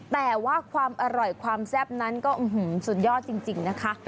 แต่ว่าความอร่อยความแซ่บนั้นก็สุดยอดจริงนะคะ